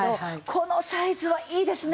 このサイズはいいですね。